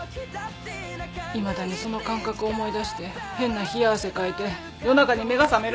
いまだにその感覚思い出して変な冷や汗かいて夜中に目が覚める。